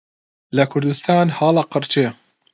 لە کوردستان هەڵئەقرچێ